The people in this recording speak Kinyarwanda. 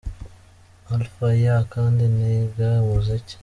Alpha : Yeah ! Kandi niga umuziki ?.